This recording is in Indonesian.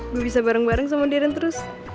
gue bisa bareng bareng sama modern terus